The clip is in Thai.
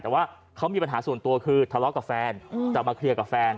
แต่ว่าเขามีปัญหาส่วนตัวคือทะเลาะกับแฟนจะมาเคลียร์กับแฟน